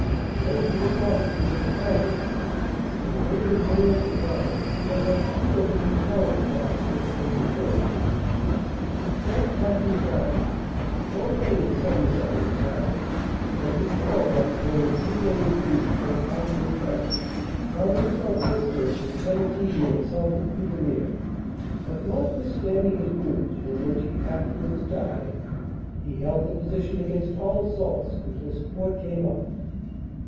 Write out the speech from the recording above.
Most of its officers were casualties and Brig. General McBrien sent up two of his Intelligence officers in support. Staff Capt. Barrie, formerly of the 72nd. Battalion, and recalled after only three days leave to take part in this battle, found himself isolated with 17 men south of OPERATIONS: SEPT. 28 29 249 Cuvillers, but notwithstanding his wounds, from which he afterwards died, he held the position against all assaults until support came up.